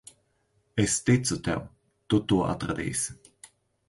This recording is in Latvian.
Es ticu tev. Tu to atradīsi.